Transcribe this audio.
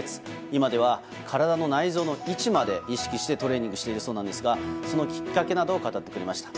今では体の内臓の位置まで意識してトレーニングしているそうですがそのきっかけなどを語ってくれました。